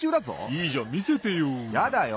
いいじゃんみせてよ。